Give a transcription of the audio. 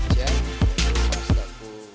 pak utut adianto